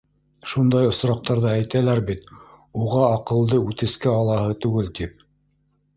Шундай осраҡтарҙа әйтәләр бит: «Уға аҡылды үтескә алаһы түгел», тип.